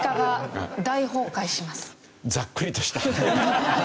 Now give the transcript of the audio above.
ざっくりとした。